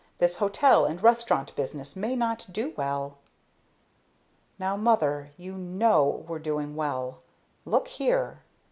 This hotel and restaurant business may not do well." "Now, mother, you know we're doing well. Look here!"